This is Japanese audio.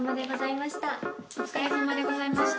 お疲れさまでございました。